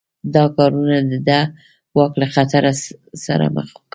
دا کارونه د ده واک له خطر سره مخ کاوه.